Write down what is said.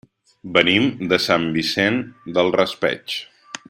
Venim de Sant Vicent del Raspeig.